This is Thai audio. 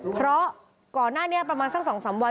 เพราะก่อนหน้านี้ประมาณสัก๒๓วัน